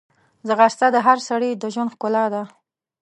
ځغاسته د هر سړي د ژوند ښکلا ده